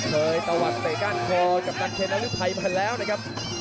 เผยตะวัดเตะก้านคอกัปตันเคนอริไภมาแล้วนะครับ